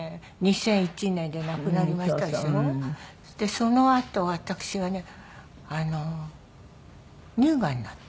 そのあと私がねあの乳がんになって。